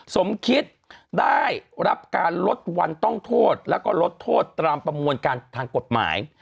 สมคิดได้รับการลดวันต้องโทษแล้วก็ลดโทษตามประมวลการทางกฎหมาย